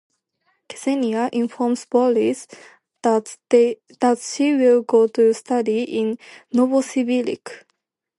Ksenia informs Boris that she will go to study in Novosibirsk.